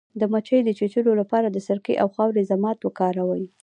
د مچۍ د چیچلو لپاره د سرکې او خاورې ضماد وکاروئ